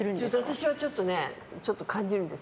私はちょっと感じるんです。